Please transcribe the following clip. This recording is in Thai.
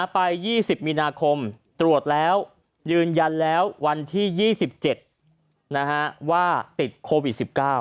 ไป๒๐มีนาคมตรวจแล้วยืนยันแล้ววันที่๒๗ว่าติดโควิด๑๙